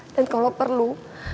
dan kalo perlu